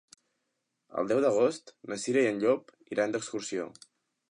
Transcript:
El deu d'agost na Cira i en Llop iran d'excursió.